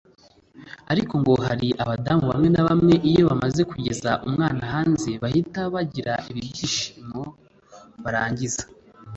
ariko ngo hari abadamu bamwe na bamwe iyo bamaze kugeza umwana hanze bahita bagira ibi byishimo (Barangiza)